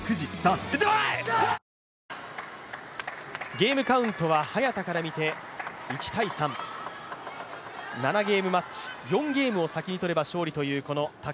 ゲームカウントは早田から見て１−３７ゲームマッチ、４ゲームを先に取れば勝利。